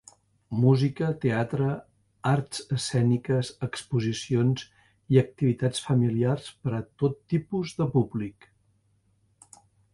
Música, teatre, arts escèniques, exposicions i activitats familiars per a tot tipus de públic.